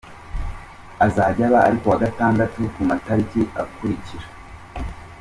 azajya aba ari kuwa Gatandatu ku matariki akurikira:.